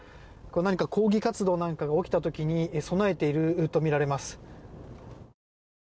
何か抗議活動が起きた時に備えているとみられます。